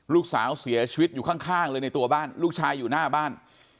ลูกสาวเสียชีวิตอยู่ข้างเลยในตัวบ้านลูกชายอยู่หน้าบ้าน